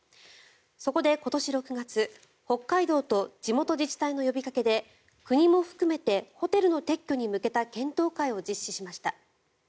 そこで今年６月北海道と地元自治体の呼びかけで国も含めてホテルの撤去に向けた検討会を実施しました。